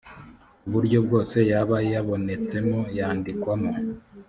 uburyo bwose yaba yabonetsemo yandikwamo.